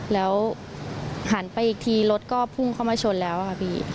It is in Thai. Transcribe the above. แล้วหันไปอีกทีรถก็พุ่งเข้ามาชนแล้วค่ะพี่